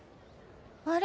あれ？